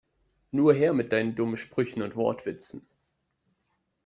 Nur her mit deinen dummen Sprüchen und Wortwitzen!